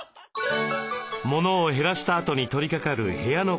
モノを減らしたあとに取りかかる部屋の片づけ。